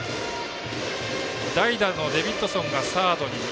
代打のデビッドソンがサードに。